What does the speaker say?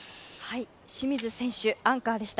清水選手、アンカーでした。